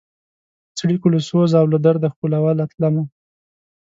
څړیکو له سوزه او له درده ښکلوله تلمه